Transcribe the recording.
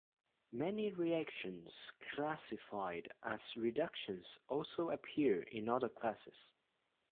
Many reactions classified as reductions also appear in other classes.